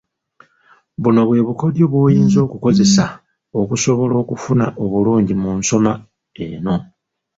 Buno bwe bukodyo bw'oyinza okukozesa okusobola okufuna obulungi mu nsoma eno.